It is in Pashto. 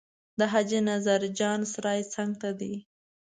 د حاجي نظر جان سرای څنګ ته دی.